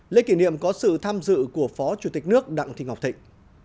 lễ kỷ niệm có sự tham dự của phó chủ tịch nước đặng thị ngọc thịnh